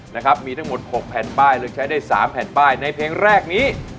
นะครับมีทั้งหมด๖แผ่นป้ายเลือกใช้ได้๓แผ่นป้ายในเพลงแรกนี้